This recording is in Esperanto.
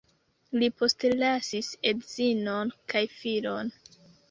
Li postlasis edzinon kaj filon.